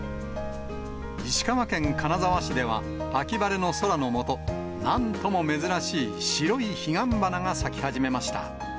石川県金沢市では、秋晴れの空の下、なんとも珍しい白いヒガンバナが咲き始めました。